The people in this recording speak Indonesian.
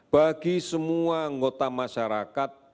bagi semua anggota masyarakat